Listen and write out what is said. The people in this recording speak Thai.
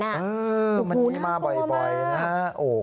อื้อมันนี่มาบ่อยนะโอ้โฮน่ากลัวมาก